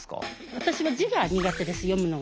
私は字が苦手です読むのが。